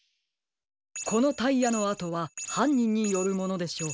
このタイヤのあとははんにんによるものでしょう。